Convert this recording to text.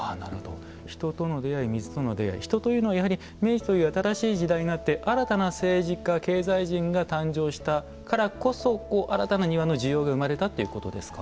人との出会い水との出会い人というのはやはり明治という新しい時代になって新たな政治家経済人が誕生したからこそ新たな庭の需要が生まれたということですか。